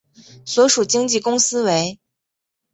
所属经纪公司为。